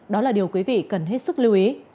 đó là điều quý vị cần hết sức lưu ý